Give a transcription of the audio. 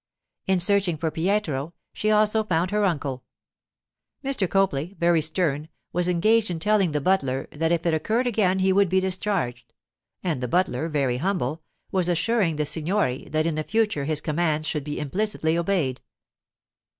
In searching for Pietro she also found her uncle. Mr. Copley, very stern, was engaged in telling the butler that if it occurred again he would be discharged; and the butler, very humble, was assuring the signore that in the future his commands should be implicitly obeyed.